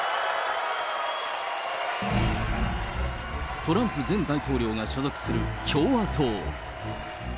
トランプ前大統領が所属する共和党。